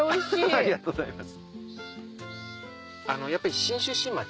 ありがとうございます。